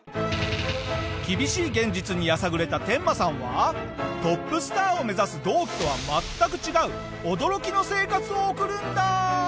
厳しい現実にやさぐれたテンマさんはトップスターを目指す同期とは全く違う驚きの生活を送るんだ！